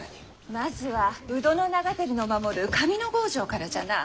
まずは鵜殿長照の守る上ノ郷城からじゃな。